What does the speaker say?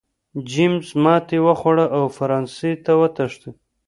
جېمز ماتې وخوړه او فرانسې ته وتښتېد.